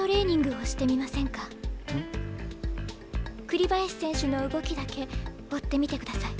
栗林選手の動きだけ追ってみてください。